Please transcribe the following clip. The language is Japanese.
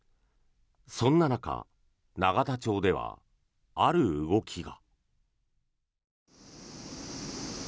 そんな中、永田町ではある動きが。